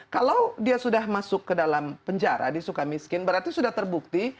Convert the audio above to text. kalau dia sudah masuk ke dalam penjara di sukamiskin berarti sudah terbukti